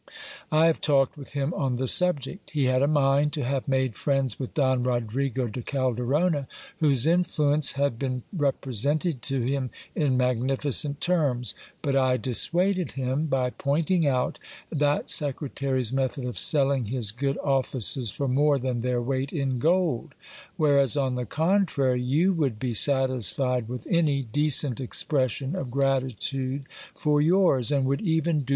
I have talked with him on the subject. He had a mind to have made friends with Don Rodrigo de Calderona, whose influence had been represented to him in magnificent terms : but I dis suaded him, by pointing out that secretary's method of selling his good offices for more than their weight in gold ; whereas, on the contrary, you would be satisfied with any decent expression of gratitude for yours, and would even do HISTORY OF DON ROGER DE RAD A.